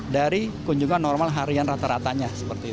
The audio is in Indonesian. dari kunjungan normal harian rata ratanya